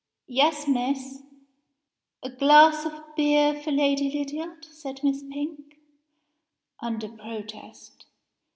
"Yes, miss." "A glass of beer for Lady Lydiard," said Miss Pink under protest.